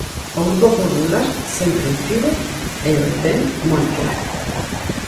O Grupo Popular sempre o tivo e o ten moi claro.